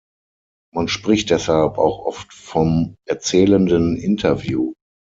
Man spricht deshalb auch oft vom erzählenden Interview.